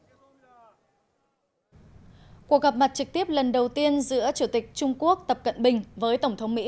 cuộc gặp mặt trực tiếp lần đầu tiên giữa chủ tịch trung quốc tập cận bình với tổng thống mỹ